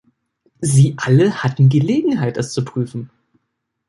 Sie alle hatten Gelegenheit, es zu prüfen.